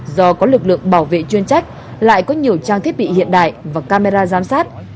do có lực lượng bảo vệ chuyên trách lại có nhiều trang thiết bị hiện đại và camera giám sát